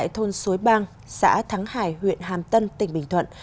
tại thôn xối bang xã thắng hải huyện hàm tân tỉnh bình thuận